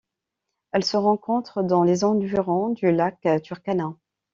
Elle se rencontre dans les environs du lac Turkana.